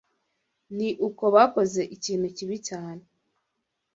Ni uko bakoze ikintu kibi cyane